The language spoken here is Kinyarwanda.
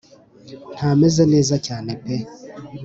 ntameze neza cyane pe